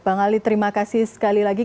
bang ali terima kasih sekali lagi